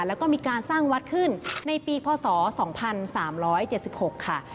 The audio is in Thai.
แล้วก็มีการสร้างวัดขึ้นในปีพศ๒๓๗๖ค่ะ